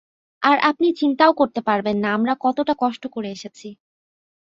আর আপনি চিন্তাও করতে পারবেন না আমরা কতটা কষ্ট করে এসেছি।